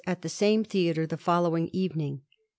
at the same theatre the foUowing evening.